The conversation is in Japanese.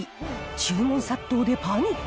注文殺到でパニック？